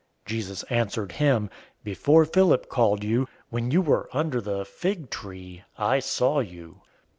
Jesus answered him, "Before Philip called you, when you were under the fig tree, I saw you."